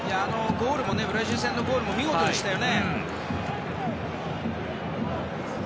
ブラジル戦のゴールも見事でしたよね。